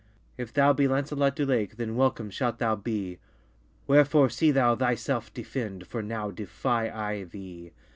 If thou be Lancelot du Lake, Then welcome shalt thou bee: Wherfore see thou thyself defend, For now defye I thee.